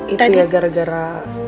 itu ya gara gara